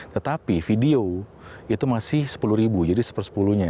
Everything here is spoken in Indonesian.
tetapi video masih sepuluh ribu jadi sepuluh per sepuluh